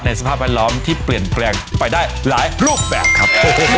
สภาพแวดล้อมที่เปลี่ยนแปลงไปได้หลายรูปแบบครับ